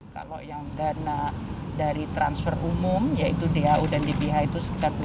kalau yang dana dari transfer umum yaitu dhu dan dbh itu